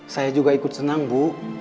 saya juga ikut senang bu